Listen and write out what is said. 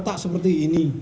retak seperti ini